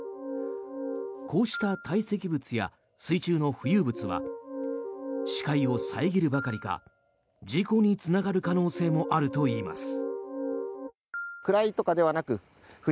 こうしたたい積物や水中の浮遊物は視界を遮るばかりか事故につながる可能性もあるといいます。